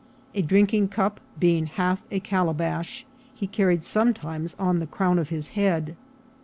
A drinking cup, being half a calabash, he carried sometimes on the crown of his head.